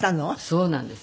そうなんです。